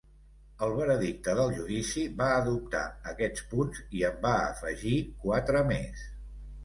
El veredicte del judici va adoptar aquests punts i en va afegir quatre més.